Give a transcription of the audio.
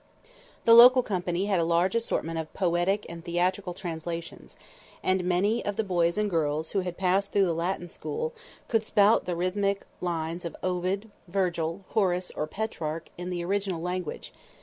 The local company had a large assortment of poetic and theatrical translations, and many of the boys and girls who had passed through the Latin school, could "spout" the rhythmic lines of Ovid, Virgil, Horace or Petrarch in the original language.